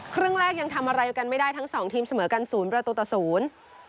ครึ่งแรกยังทำอะไรกันไม่ได้ทั้งสองทีมเสมอกัน๐แล้วตัวต่อ๐